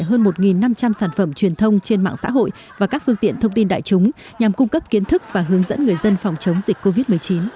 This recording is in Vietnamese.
hơn một năm trăm linh sản phẩm truyền thông trên mạng xã hội và các phương tiện thông tin đại chúng nhằm cung cấp kiến thức và hướng dẫn người dân phòng chống dịch covid một mươi chín